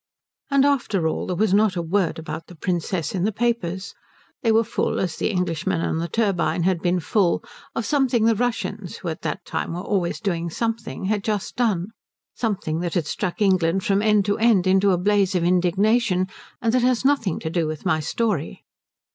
And after all there was not a word about the Princess in the papers. They were full, as the Englishmen on the turbine had been full, of something the Russians, who at that time were always doing something, had just done something that had struck England from end to end into a blaze of indignation and that has nothing to do with my story.